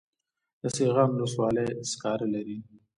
د سیغان ولسوالۍ سکاره لري